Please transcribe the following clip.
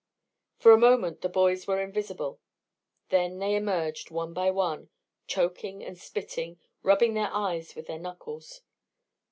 For a moment the boys were invisible. Then they emerged, one by one, choking and spitting, rubbing their eyes with their knuckles.